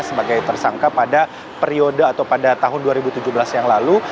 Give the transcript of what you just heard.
sebagai tersangka pada periode atau pada tahun dua ribu tujuh belas yang lalu